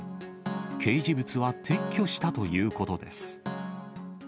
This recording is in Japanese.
掲示物は撤去したということです。